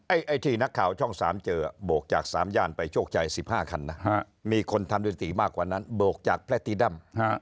ไอ้ที่นักข่าวช่อง๓เจอโบกจาก๓ย่านไปโชคชัย๑๕คันนะมีคนทำดนตรีมากกว่านั้นโบกจากแพทติดำ